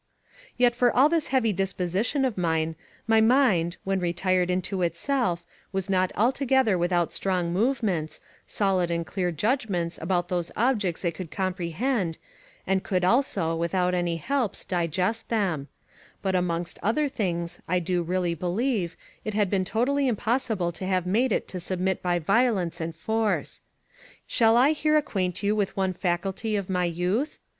Yet for all this heavy disposition of mine, my mind, when retired into itself, was not altogether without strong movements, solid and clear judgments about those objects it could comprehend, and could also, without any helps, digest them; but, amongst other things, I do really believe, it had been totally impossible to have made it to submit by violence and force. Shall I here acquaint you with one faculty of my youth?